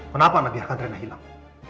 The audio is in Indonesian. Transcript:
kenapa anda biarkan rena hilang